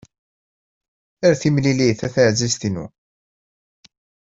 Ar timlilit a taεzizt-inu!